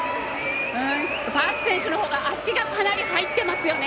ファース選手のほうが足が入ってますよね。